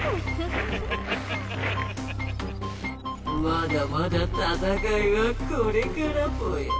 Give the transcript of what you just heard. まだまだ戦いはこれからぽよ。